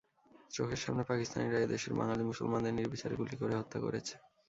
চোখের সামনে পাকিস্তানিরা এ দেশের বাঙ্গালী মুসলমানদের নির্বিচারে গুলি করে হত্যা করেছে।